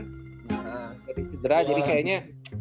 jadi cedera jadi kayaknya